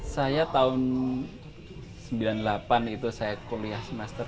saya tahun seribu sembilan ratus sembilan puluh delapan itu saya kuliah semester delapan